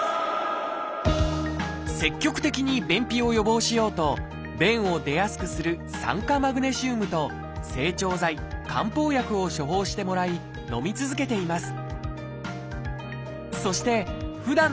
積極的に便秘を予防しようと便を出やすくする「酸化マグネシウム」と「整腸剤」「漢方薬」を処方してもらいのみ続けています。